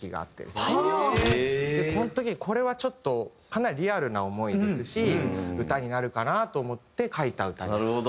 この時にこれはちょっとかなりリアルな思いですし歌になるかなと思って書いた歌です。